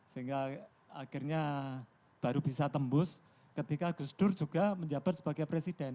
sehingga akhirnya baru bisa tembus ketika gus dur juga menjabat sebagai presiden